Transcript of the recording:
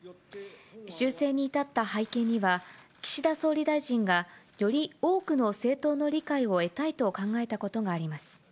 修正に至った背景には、岸田総理大臣がより多くの政党の理解を得たいと考えたことがあります。